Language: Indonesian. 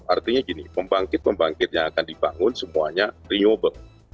artinya gini pembangkit pembangkit yang akan dibangun semuanya renewable